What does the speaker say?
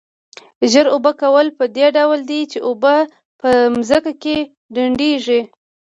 ژور اوبه کول په دې ډول دي چې اوبه په ځمکه کې ډنډېږي.